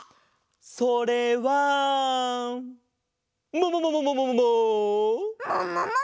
それはもももももももも！